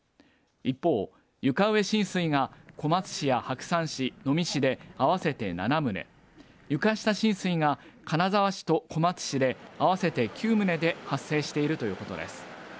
一方、床上浸水が小松市や白山市、能美市で合わせて７棟、床下浸水が金沢市と小松市で合わせて９棟で発生しているということです。